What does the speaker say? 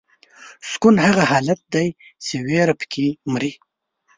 سکون هغه حالت دی چې ویره پکې مري.